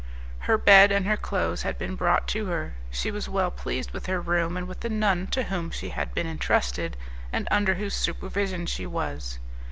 Her bed and her clothes had been brought to her; she was well pleased with her room and with the nun to whom she had been entrusted, and under whose supervision she was.